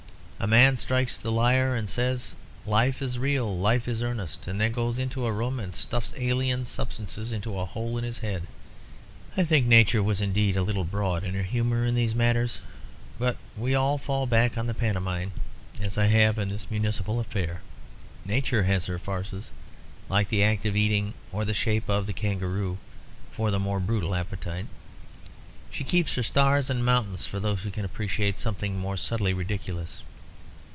A man strikes the lyre, and says, 'Life is real, life is earnest,' and then goes into a room and stuffs alien substances into a hole in his head. I think Nature was indeed a little broad in her humour in these matters. But we all fall back on the pantomime, as I have in this municipal affair. Nature has her farces, like the act of eating or the shape of the kangaroo, for the more brutal appetite. She keeps her stars and mountains for those who can appreciate something more subtly ridiculous."